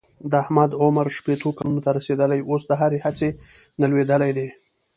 د احمد عمر شپېتو کلونو ته رسېدلی اوس د هرې هڅې نه لوېدلی دی.